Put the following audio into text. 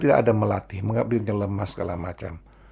tidak ada melatih mengapa dirinya lemah segala macam